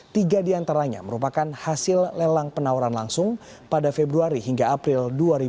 tiga di antaranya merupakan hasil lelang penawaran langsung pada februari hingga april dua ribu delapan belas